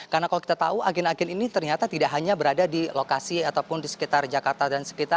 karena kalau kita tahu agen agen ini ternyata tidak hanya berada di lokasi ataupun di sekitar jakarta dan sekitar